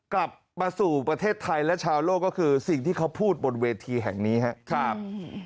กลับมาสู่ประเทศไทยและชาวโลกก็คือสิ่งที่เขาพูดบนเวทีแห่งนี้ครับ